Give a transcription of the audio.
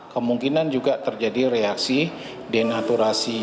kemungkinan juga terjadi reaksi denaturasi